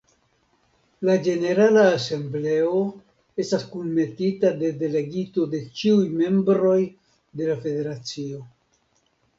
La ĝenerala asembleo estas kunmetita de delegito de ĉiuj membroj de la federacio.